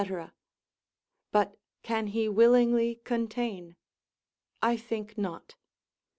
But can he willingly contain? I think not.